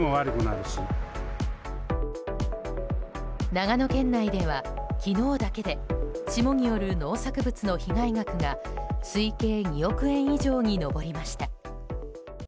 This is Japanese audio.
長野県内では昨日だけで霜による農作物の被害額が推計２億円以上に上りました。